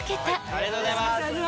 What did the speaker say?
ありがとうございます。